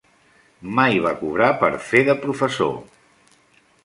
Mai va cobrar per fer de professor.